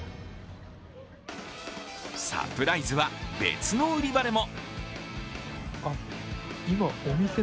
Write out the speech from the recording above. サプライズは、別の売り場でも。